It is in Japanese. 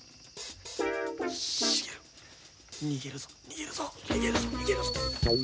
茂逃げるぞ逃げるぞ逃げるぞ。